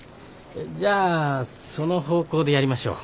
じゃあその方向でやりましょう。